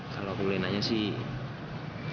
kalo aku boleh nanya sih